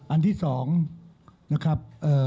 อันที่๒นะครับ